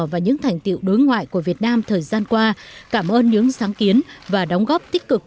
và những thành tiệu đối ngoại của việt nam thời gian qua cảm ơn những sáng kiến và đóng góp tích cực